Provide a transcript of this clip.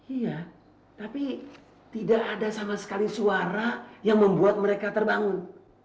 iya tapi tidak ada sama sekali suara yang membuat mereka terbangun